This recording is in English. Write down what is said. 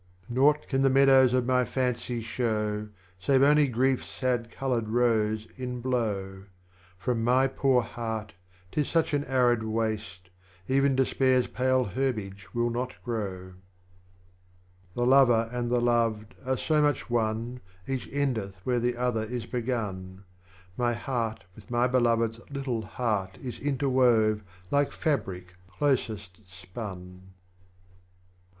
30. Nought can the Meadows of my Fancy show Save only Grief's sad coloured Rose in bloAv, From my poor Heart, 'tis such an Arid waste. Even Despair's pale Herbage will not grow. 31. The Lover and the Loved are so much One, Each endeth where the Other is begun ; My Heart with my Beloved's little Heart Is interwove like Fabric closest spun. BABA TAHIR 32.